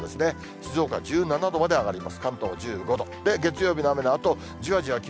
静岡は１７度まで上がります。